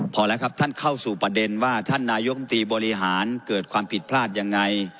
พอแล้วครับท่านเข้าสู่ประเด็นว่าท่านนายกรรมตรีบริหารเกิดความผิดพลาดยังไง